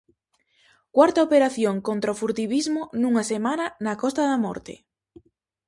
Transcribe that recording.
Cuarta operación contra o furtivismo nunha semana na Costa da Morte.